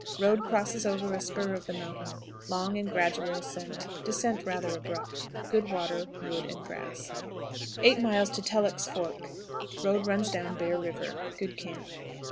Road crosses over a spur of the mountain; long and gradual ascent; descent rather abrupt. Good wood, water, and grass. 8. Telleck's Fork. Road runs down Bear River. Good camp.